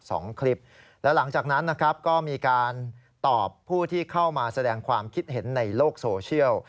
สองคลิปแล้วหลังจากนั้นนะครับก็มีการตอบผู้ที่เข้ามาแสดงความคิดเห็นในโลกโซเชียล